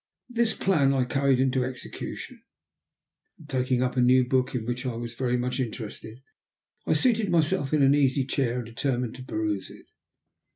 This plan I carried into execution, and taking up a new book in which I was very much interested, seated myself in an easy chair and determined to peruse it.